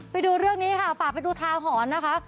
ไปดูเรื่องนี้ค่ะฝากไปดูทาหรณ์นะคะ